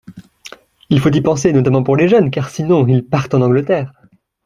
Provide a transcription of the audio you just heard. Il faut y penser notamment pour les jeunes, car sinon ils partent en Angleterre.